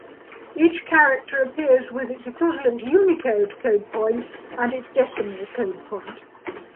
Each character appears with its equivalent Unicode code-point and its decimal code-point.